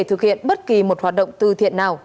thực hiện bất kỳ một hoạt động tư thiện nào